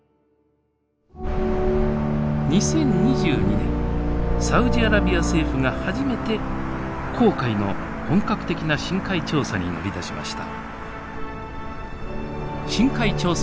２０２２年サウジアラビア政府が初めて紅海の本格的な深海調査に乗り出しました。